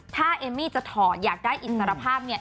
ถ้าเอมมี่จะถอดอยากได้อิสรภาพ